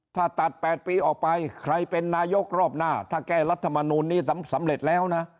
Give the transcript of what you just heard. ถ้าตัด๘ปีออกไปใครเป็นนายกรอบหน้าถ้าแก้รัฐมนูลนี้สำเร็จแล้วนะ